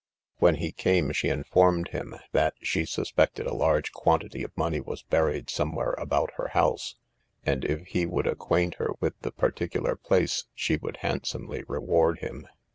When he came, she informed him, that she suspected a large quantity of money was buried somewhere about her house, and if he would acquaint her with the particular place, she would handsomely reward him.